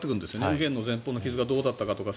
右舷の前方の傷がどうだったとか